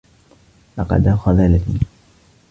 لقد خذلني.